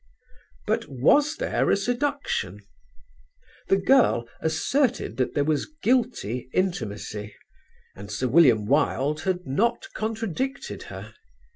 But was there a seduction? The girl asserted that there was guilty intimacy, and Sir William Wilde had not contradicted her.